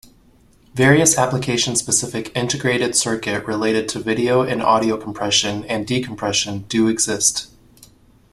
Various application-specific integrated circuit related to video and audio compression and decompression do exist.